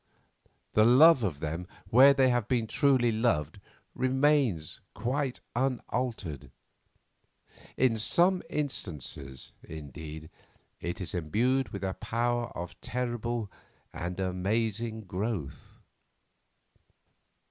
The love of them where they have been truly loved, remains quite unaltered; in some instances, indeed, it is emdued with a power of terrible and amazing growth.